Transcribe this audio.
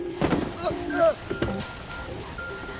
あっ